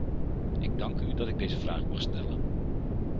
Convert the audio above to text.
Ik dank u dat ik deze vraag mag stellen.